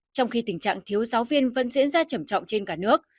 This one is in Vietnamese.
trong khi tình trạng thiếu giáo viên vẫn diễn ra trầm trọng trên cả nước